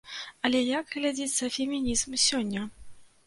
Але як глядзіцца фемінізм сёння?